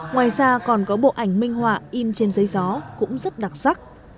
ngoài ra còn có bộ ảnh minh họa in trên giấy gió cũng rất đặc sắc